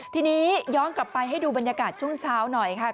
ทีนี้ย้อนกลับไปให้ดูบรรยากาศช่วงเช้าหน่อยค่ะ